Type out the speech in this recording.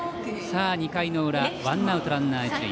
２回の裏ワンアウトランナー、一塁。